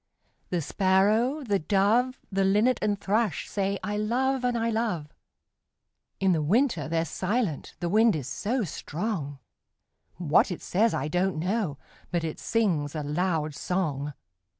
The Sparrow, the Dove, The Linnet and Thrush say, 'I love and I love!' In the winter they're silent the wind is so strong; What it says, I don't know, but it sings a loud song.